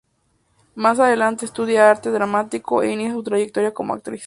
Más adelante estudia Arte Dramático e inicia su trayectoria como actriz.